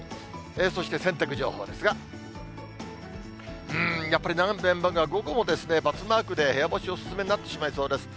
そして、洗濯情報ですが、やっぱり午前も午後も×マークで部屋干しお勧めになってしまいそうです。